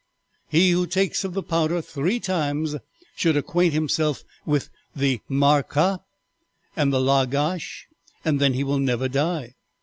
"'He who takes of the powder three times should acquaint himself with "חד" the marcaba and the lah gash, then he will never die.